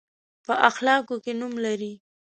په اخلاقو کې نوم لري.